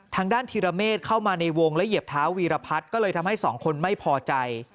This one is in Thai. ทางด้านธีรเมฆเข้ามาในวงและเหยียบเท้าวีรพัฒน์ก็เลยทำให้สองคนไม่พอใจ